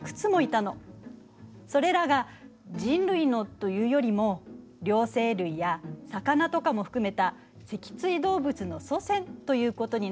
それらが人類のというよりも両生類や魚とかも含めた脊椎動物の祖先ということになるかしらね。